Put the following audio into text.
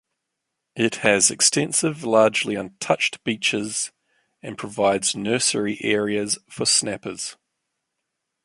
It has extensive largely untouched beaches and provides nursery areas for snappers.